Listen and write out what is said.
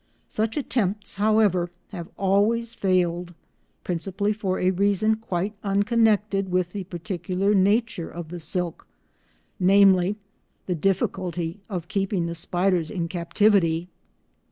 Such attempts, however, have always failed, principally for a reason quite unconnected with the particular nature of the silk, namely, the difficulty of keeping the spiders in captivity.